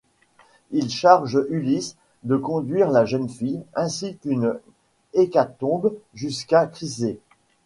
Il charge Ulysse de conduire la jeune fille, ainsi qu'une hécatombe, jusqu'à Chrysé.